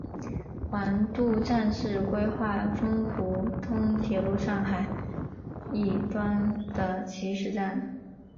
黄渡站是规划中沪通铁路上海一端的起始站。